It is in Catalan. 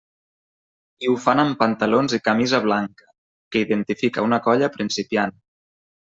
I ho fan amb pantalons i camisa blanca, que identifica una colla principiant.